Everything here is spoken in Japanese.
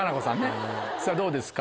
さぁどうですか？